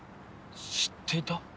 知っていた？